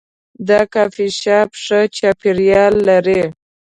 دا کافي شاپ ښه چاپیریال لري.